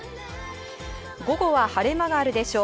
午後は晴れ間があるでしょう。